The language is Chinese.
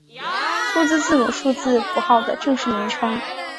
数学字母数字符号的正式名称。